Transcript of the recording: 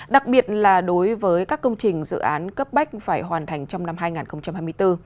đặc biệt là đối với các công trình dự án cấp bách phải hoàn thành trong năm hai nghìn hai mươi bốn